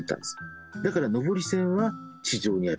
だから上り線は地上にある。